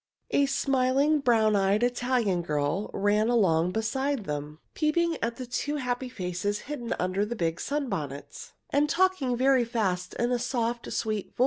A smiling, brown eyed Italian girl ran along beside them, peeping at the two happy faces hidden under the big sunbonnets, and talking very fast in a soft, sweet voice.